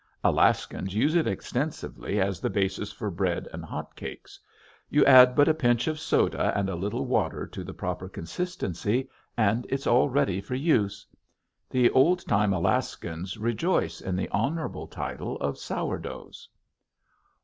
Alaskans use it extensively as the basis for bread and hot cakes. You add but a pinch of soda and a little water to the proper consistency and it's all ready for use. The old time Alaskans rejoice in the honorable title of "Sour Doughs."